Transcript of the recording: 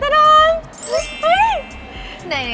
ครับพร้อมไหม